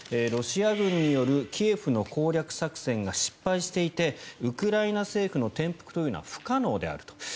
ロシア軍によるキエフの攻略作戦が失敗していてウクライナ政府の転覆というのは不可能であると。